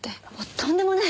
とんでもない！